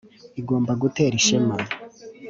igomba kugutera ishema.